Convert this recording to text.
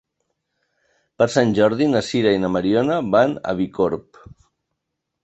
Per Sant Jordi na Sira i na Mariona van a Bicorb.